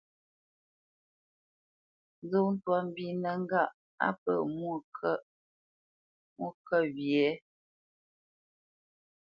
Nzó twâ mbínə́ ŋgâʼ á pə̂ mwô kə wye ?